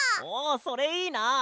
おおそれいいな！